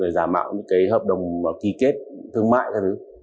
giả mạo những cái hợp đồng ký kết thương mại các thứ